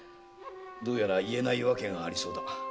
どうやら言えない訳がありそうだ。